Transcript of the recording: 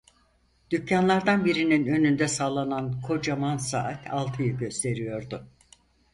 Dükkânlardan birinin önünde sallanan kocaman saat altıyı gösteriyordu.